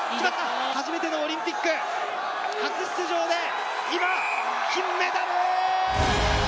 初めてのオリンピック初出場で今、金メダル！